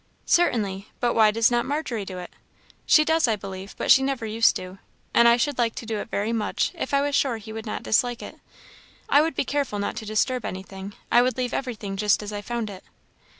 "Certainly. But why does not Margery do it?" "She does, I believe, but she never used to; and I should like to do it very much if I was sure he would not dislike it. I would be careful not to disturb anything; I would leave everything just as I found it."